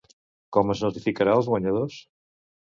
Com es notificarà als guanyadors?